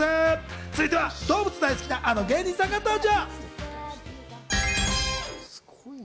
続いては動物大好きな、あの芸人さんが登場。